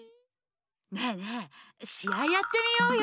ねえねえしあいやってみようよ！